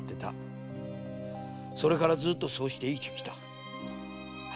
それからずっとそうして生きてきた。